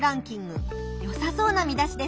よさそうな見出しです。